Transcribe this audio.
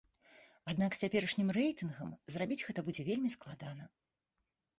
Аднак з цяперашнім рэйтынгам зрабіць гэта будзе вельмі складана.